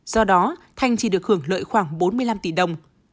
do đó thanh chỉ được hưởng lợi khoảng bốn mươi năm tỷ đồng